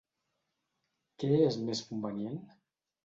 Què és més convenient?